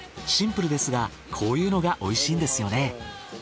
シンプルですがこういうのが美味しいんですよね。